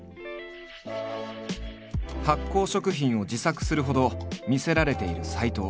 発酵食品を自作するほど魅せられている斎藤。